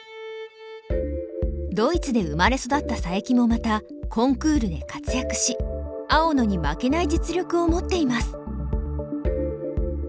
ドイツで生まれ育った佐伯もまたコンクールで活躍し青野に負けない実力を持っています。